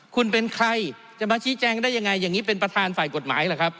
คุณเป็นใครจะมาชี้แจงได้ยังไงอย่างนี้เป็นประธานฝ่ายกฎหมายเหรอครับ